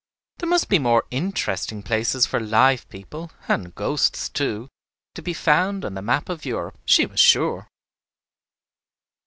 There must be more interesting places for live people, and ghosts too, to be found on the map of Europe, she was sure.